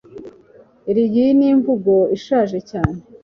iri ni imvugo ishaje cyane